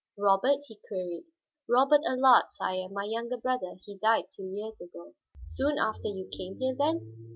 "Robert?" he queried. "Robert Allard, sire, my younger brother. He died two years ago." "Soon after you came here, then?"